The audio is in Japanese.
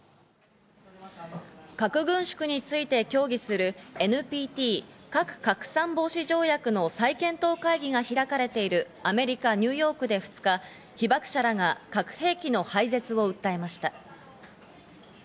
核軍縮について協議するＮＰＴ＝核拡散防止条約の再検討会議が開かれているアメリカ・ニューヨークで２日、被爆者らが核兵器の廃絶を訴えました。